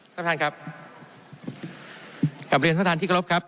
ท่านครับครับกรับเรียนท่านที่ครบครับ